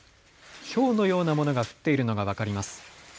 ひょうのようなものが降っているのが分かります。